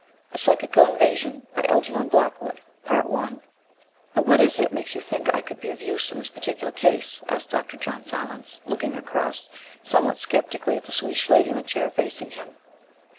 A PSYCHICAL INVASION I "And what is it makes you think I could be of use in this particular case?" asked Dr. John Silence, looking across somewhat sceptically at the Swedish lady in the chair facing him.